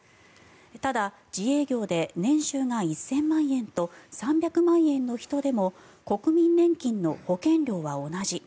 ただ、自営業で年収が１０００万円と３００万円の人でも国民年金の保険料は同じ。